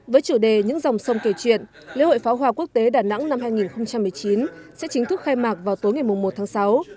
với chủ đề những dòng sông kể chuyện lễ hội pháo hoa quốc tế đà nẵng năm hai nghìn một mươi chín sẽ chính thức khai mạc vào tối ngày một tháng sáu